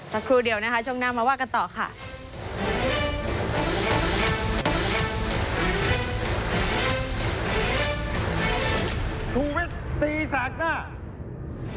สักครู่เดียวนะคะช่วงหน้ามาว่ากันต่อค่ะ